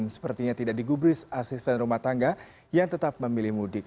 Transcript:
sepertinya tidak digubris asisten rumah tangga yang tetap memilih mudik